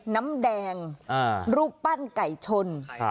น้ำแดงรูปปั้นไก่ชน